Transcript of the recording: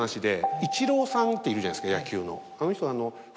イチローさんっているじゃないですか野球の。